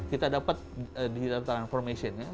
kita dapat digital transformation nya